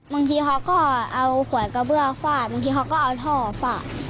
บางทีเขาก็เอาขวดกระเบื้อฟาดบางทีเขาก็เอาท่อฟาด